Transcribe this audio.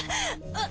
あっ！